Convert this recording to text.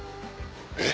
えっ？